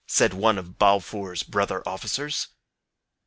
said one of Balfour's brother officers.